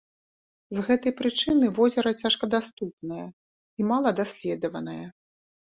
З гэтай прычыны возера цяжкадаступнае і маладаследаванае.